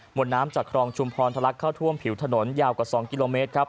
วนน้ำจากครองชุมพรทะลักเข้าท่วมผิวถนนยาวกว่า๒กิโลเมตรครับ